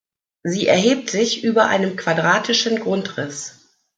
Sie erhebt sich über einem quadratischen Grundriss.